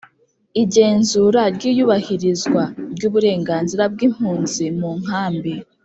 Igenzura ry iyubahirizwa ry uburenganzira bw impunzi mu nkambi